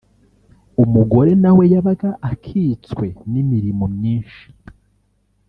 umugore nawe yabaga akitswe n’imirimo myinshi